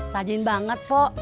tajin banget po